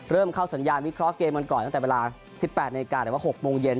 เริ่มเข้าสัญญาณวิเคราะห์เกมกันก่อนตั้งแต่เวลา๑๘นาฬิกาหรือว่า๖โมงเย็น